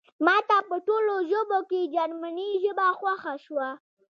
ماته په ټولو ژبو کې جرمني ژبه خوښه شوه